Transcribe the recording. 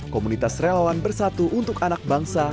komunitas relawan bersatu untuk anak bangsa